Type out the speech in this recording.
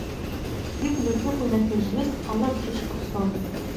Ибла аҵыхәа инахьыжжыз, алабжыш каԥсон…